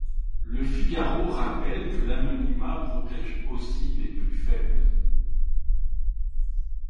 Le Figaro rappelle que l'anonymat protège aussi les plus faibles.